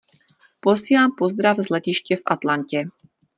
Posílám pozdrav z letiště v Atlantě.